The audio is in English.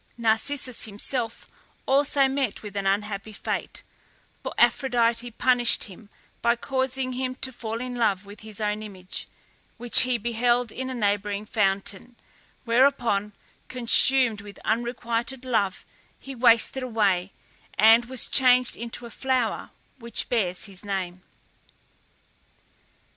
Narcissus himself also met with an unhappy fate, for Aphrodite punished him by causing him to fall in love with his own image, which he beheld in a neighbouring fountain, whereupon, consumed with unrequited love, he wasted away, and was changed into the flower which bears his name.